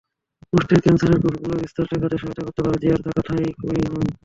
Prostate ক্যানসারের কোষগুলোর বিস্তার ঠেকাতে সহায়তা করতে পারে জিরায় থাকা থাইমোকুইনোন।